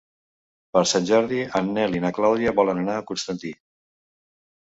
Per Sant Jordi en Nel i na Clàudia volen anar a Constantí.